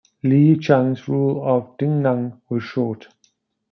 Li Yichang's rule of Dingnan was short.